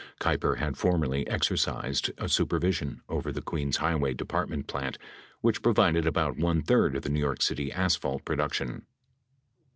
(Keiper had formerly exercized supervision over the Queens Highway Department Plant which provided about one third of the New York City asphalt pro duction.)